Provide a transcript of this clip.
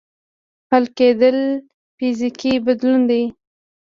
حل کېدل فزیکي بدلون دی.